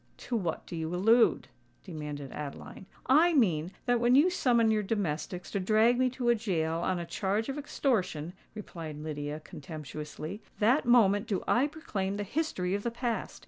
"To what do you allude?" demanded Adeline. "I mean that when you summon your domestics to drag me to a gaol on a charge of extortion," replied Lydia, contemptuously, "that moment do I proclaim the history of the past!